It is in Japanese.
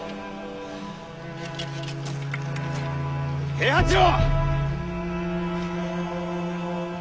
平八郎！